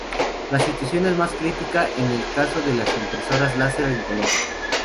La situación es más crítica en el caso de las impresoras láser en color.